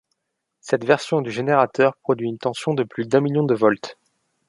Cette version du générateur produit une tension de plus d'un million de volts.